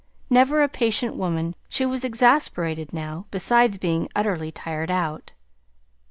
Never a patient woman, she was exasperated now, besides being utterly tired out.